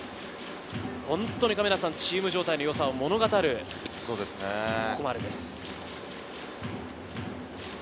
本当にチーム状態の良さを物語るここまでです。